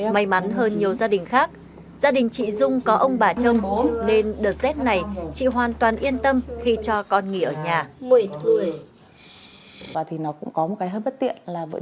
may mắn hơn nhiều gia đình khác gia đình chị dung có ông bà trông bố nên đợt rét này chị hoàn toàn yên tâm khi cho con nghỉ ở nhà